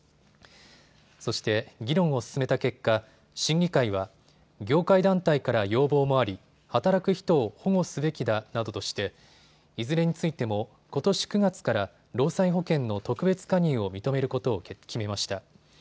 そして、議論を進めた結果、審議会は業界団体から要望もあり働く人を保護すべきだなどとしていずれについてもことし９月から労災保険の特別加入を認めることを決めました。